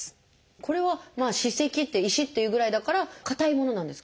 これは「歯石」って「石」っていうぐらいだから硬いものなんですか？